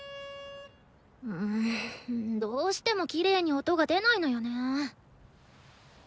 んどうしてもきれいに音が出ないのよねぇ。